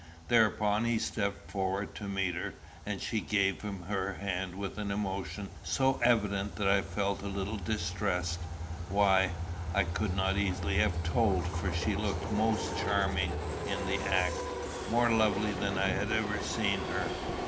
Thereupon he stepped forward to meet her, and she gave him her hand with an emotion so evident that I felt a little distressed why, I could not easily have told, for she looked most charming in the act, more lovely than I had ever seen her.